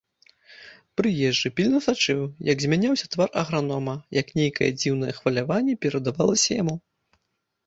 Прыезджы пільна сачыў, як змяняўся твар агранома, як нейкае дзіўнае хваляванне перадавалася яму.